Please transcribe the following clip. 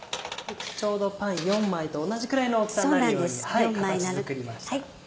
ちょうどパン４枚と同じくらいの大きさになるように形作りました。